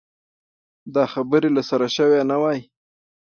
دا خبرې له سره شوې نه وای.